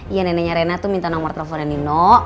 iya nenenya rena tuh minta nombor teleponnya nino